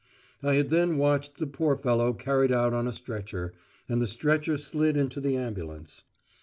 I had then watched the poor fellow carried out on a stretcher, and the stretcher slid into the ambulance.